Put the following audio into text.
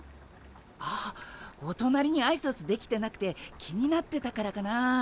ああおとなりにあいさつできてなくて気になってたからかなあ。